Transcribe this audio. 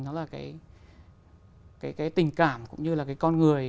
nó là cái tình cảm cũng như là cái con người